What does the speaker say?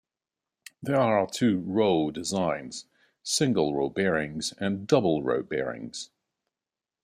There are two "row" designs: "single-row" bearings and "double-row" bearings.